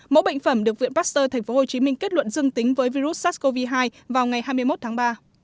mẫu bệnh phẩm được viện pasteur tp hcm kết luận dương tính với virus sars cov hai vào ngày hai mươi một tháng ba